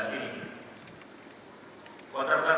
sehingga kontrak kontrak pengadaan